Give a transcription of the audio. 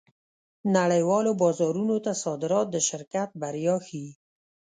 نړۍوالو بازارونو ته صادرات د شرکت بریا ښيي.